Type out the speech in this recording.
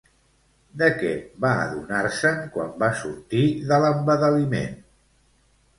De què va adonar-se'n quan va sortir de l'embadaliment?